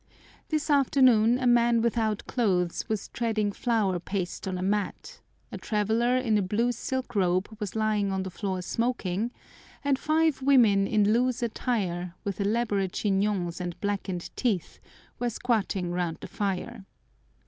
This afternoon a man without clothes was treading flour paste on a mat, a traveller in a blue silk robe was lying on the floor smoking, and five women in loose attire, with elaborate chignons and blackened teeth, were squatting round the fire.